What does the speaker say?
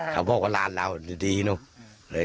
เขาบอกว่าลาดเหล้าจะดีเนอะ